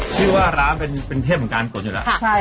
ชื่อว่าร้านเป็นเทพของการตุ๋นอยู่แล้วใช่ครับ